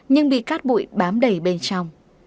nhưng bị cát bụi bám đầy bên trong